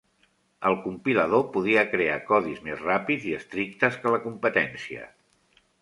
El compilador podia crear codis més ràpids i estrictes que la competència.